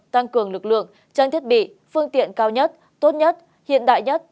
tăng cường lực lượng trang thiết bị phương tiện cao nhất tốt nhất hiện đại nhất